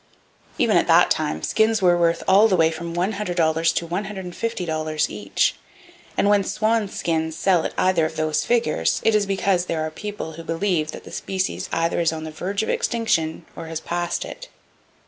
Even at that time, skins were worth all the way from $100 to $150 each; and when swan skins sell at either of those figures it is because there are people who believe that the species either is on the verge of extinction, or has passed it.